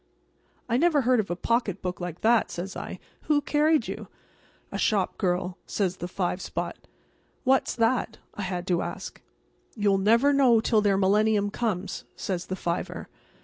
"I never heard of a pocketbook like that," says I. "Who carried you?" "A shopgirl," says the five spot. "What's that?" I had to ask. "You'll never know till their millennium comes," says the fiver.